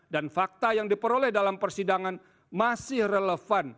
dan fakta yang diperoleh dalam persidangan masih relevan